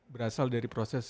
berasal dari proses